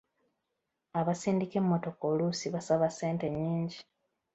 Abasindika emmotoka oluusi basaba ssente nnyingi.